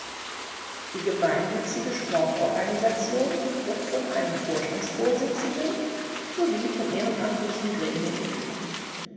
Die gemeinnützige Sportorganisation wird von einem Vorstandsvorsitzenden sowie von ehrenamtlichen Gremien geführt.